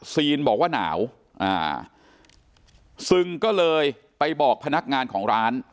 ซีนบอกว่าหนาวอ่าซึงก็เลยไปบอกพนักงานของร้าน